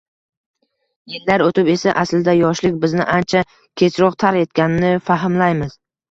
Yillar o’tib esa aslida yoshlik bizni ancha kechroq tark etganini fahmlaymiz.